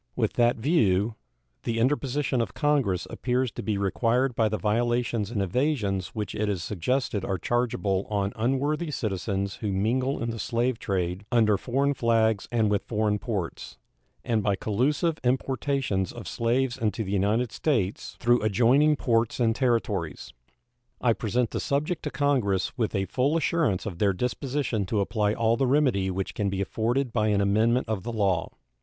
With that view, the interposition of Congress appears to be required by the violations and evasions which it is suggested are chargeable on unworthy citizens who mingle in the slave trade under foreign flags and with foreign ports, and by collusive importations of slaves into the United States through adjoining ports and territories. I present the subject to Congress with a full assurance of their disposition to apply all the remedy which can be afforded by an amendment of the law.